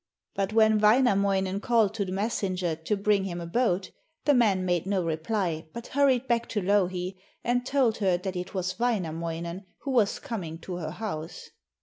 But when Wainamoinen called to the messenger to bring him a boat, the man made no reply, but hurried back to Louhi and told her that it was Wainamoinen, who was coming to her house.